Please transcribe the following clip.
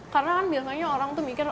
karena kan biasanya orang tuh mikir